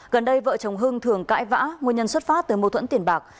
gần đây vợ chồng hưng thường cãi vã nguyên nhân xuất phát từ mâu thuẫn tiền bạc